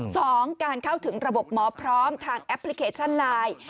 สองการเข้าถึงระบบหมอพร้อมทางแอปพลิเคชันไลน์